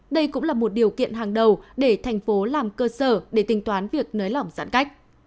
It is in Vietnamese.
đây cũng là một điều kiện hàng đầu để thành phố làm cơ sở để tính toán việc nới lỏng giãn cách